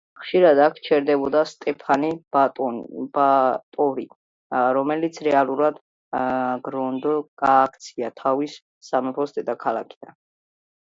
ხშირად აქ ჩერდებოდა სტეფანე ბატორი, რომელიც რეალურად გროდნო გადააქცია თავისი სამეფოს დედაქალაქად.